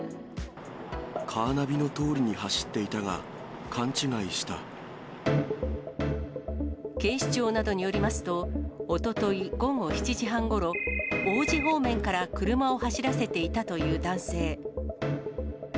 カーナビのとおりに走ってい警視庁などによりますと、おととい午後７時半ごろ、王子方面から車を走らせていたという男性。